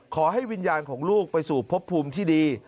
ขอให้วิญญาณของลูกไปสู่พบภูมิที่ดี